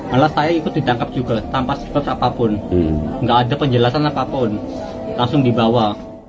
malah saya ikut ditangkap juga tanpa sebab apapun nggak ada penjelasan apapun langsung dibawa